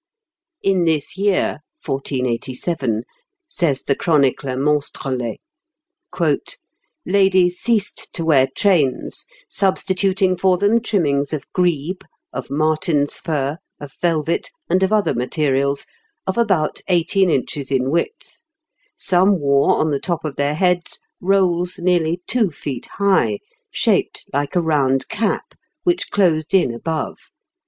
"In this year (1487)," says the chronicler Monstrelet, "ladies ceased to wear trains, substituting for them trimmings of grebe, of martens' fur, of velvet, and of other materials, of about eighteen inches in width; some wore on the top of their heads rolls nearly two feet high, shaped like a round cap, which closed in above.